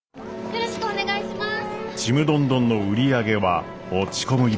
よろしくお願いします。